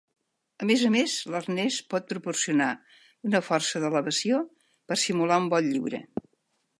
A més a més, l'arnès pot proporcionar una força d'elevació per simular un vol lliure.